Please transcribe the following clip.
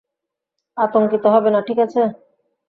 আতঙ্কিত হবে না, ঠিক আছে?